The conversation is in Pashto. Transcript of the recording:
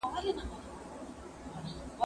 زه به اوږده موده موټر کار کر وم